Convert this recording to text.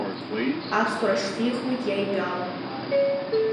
Аԥсуара шьҭихуеит иа итәала…